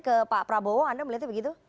ke pak prabowo anda melihatnya begitu